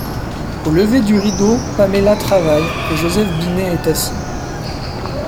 Au lever du rideau Paméla travaille, et Joseph Binet est assis.